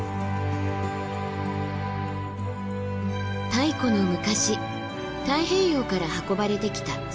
太古の昔太平洋から運ばれてきた石灰岩。